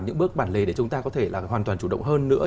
những bước bản lề để chúng ta có thể là hoàn toàn chủ động hơn nữa